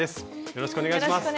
よろしくお願いします。